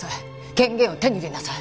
権限を手に入れなさい。